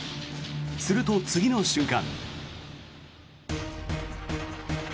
すると次の瞬間。